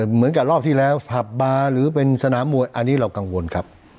เหมือนกับรอบที่แล้วผับบาร์หรือเป็นสนามมวยอันนี้เรากังวลครับ